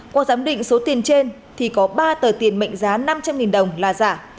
qua giám định số tiền trên thì có ba tờ tiền mệnh giá năm trăm linh đồng là giả